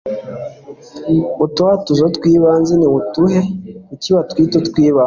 utwatuzo tw'ibanze ni utuhe? kuki batwitautw'ibanze